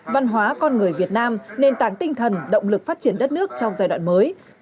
văn hóa con người việt nam nền tảng tinh thần động lực phát triển đất nước trong giai đoạn mới